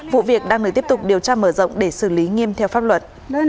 vụ việc đang được tiếp tục điều tra mở rộng để xử lý nghiêm theo pháp luật